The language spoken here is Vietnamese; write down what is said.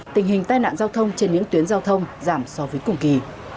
tình hình tai nạn giao thông trên những tuyến giao thông giảm so với cùng kỳ